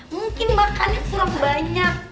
mungkin makannya kurang banyak